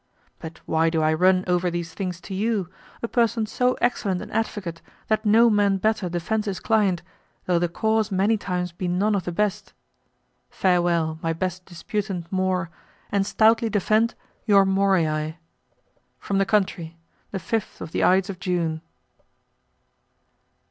But why do I run over these things to you, a person so excellent an advocate that no man better defends his client, though the cause many times be none of the best? Farewell, my best disputant More, and stoutly defend your Moriae. From the country, the 5th of the Ides of June.